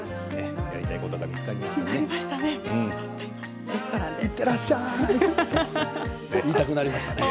やりたいことが見つかりましたね。